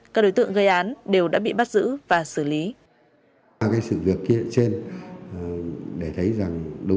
các đối tượng gây án đều đã bị bắt giữ